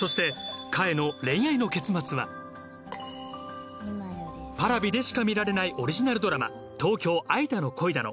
そしてＰａｒａｖｉでしか観られないオリジナルドラマ『東京、愛だの、恋だの』。